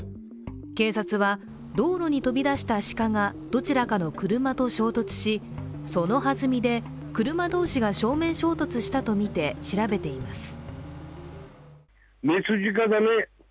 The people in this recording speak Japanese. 警察は、道路に飛び出した鹿がどちらかの車と衝突しその弾みで車同士が正面衝突したとみて調べています。